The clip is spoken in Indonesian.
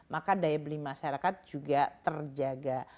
maka daya beli masyarakat juga terjaga